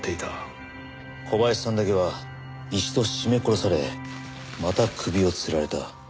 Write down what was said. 小林さんだけは一度絞め殺されまた首を吊られた。